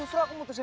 gak mau diputusin